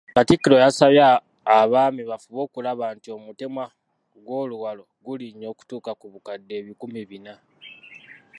Katikkiro yasabye Abaami bafube okulaba nti omutemwa gw'oluwalo gulinnya okutuuka ku bukadde ebikumi bina.